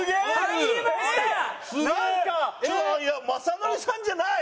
雅紀さんじゃない！